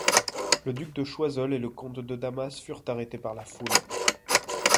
Le duc de Choiseul et le comte de Damas furent arrêtés par la foule.